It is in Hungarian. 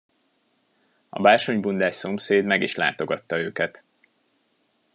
A bársonybundás szomszéd meg is látogatta őket.